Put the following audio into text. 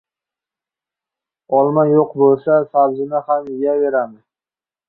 • Olma yo‘q bo‘lsa, sabzini ham yeyaveramiz.